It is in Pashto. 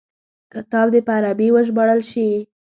کتاب دي په عربي وژباړل شي.